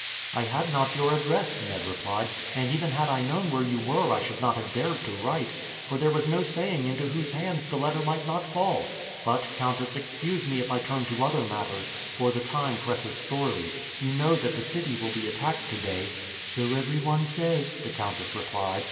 "I had not your address," Ned replied. "And even had I known where you were I should not have dared to write; for there was no saying into whose hands the letter might not fall. But, countess, excuse me if I turn to other matters, for the time presses sorely. You know that the city will be attacked today." "So every one says," the countess replied.